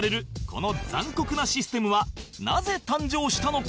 この残酷なシステムはなぜ誕生したのか？